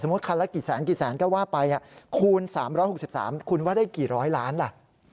คันละกี่แสนกี่แสนก็ว่าไปคูณ๓๖๓คุณว่าได้กี่ร้อยล้านล่ะ